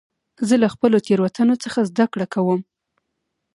زه له خپلو تېروتنو څخه زدهکړه کوم.